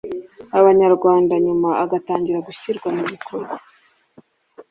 Abanyarwanda nyuma igatangira gushyirwa mu bikorwa.